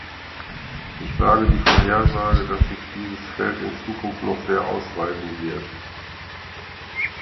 Ich wage die Vorhersage, dass sich dieses Feld in Zukunft noch sehr ausweiten wird.